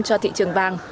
cho thị trường vàng